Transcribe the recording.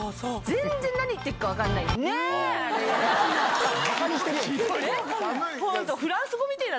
全然何言ってっか分かんない。ねぇ。